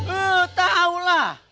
eh tahu lah